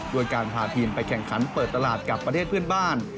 ด้วยการพาทีมไปแข่งขันเปิดตลาดกับประเทศเพื่อนบ้าน